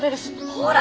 ほら！